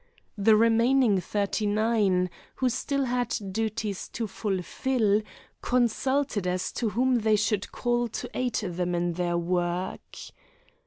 The remaining thirty nine, who still had duties to fulfil, consulted as to whom they should call to aid them in their work.